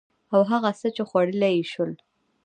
او هغه څه چې خوړلي يې شول